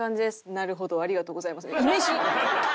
「なるほどありがとうございます」って意味深！